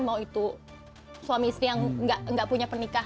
mau itu suami istri yang gak punya pernikahan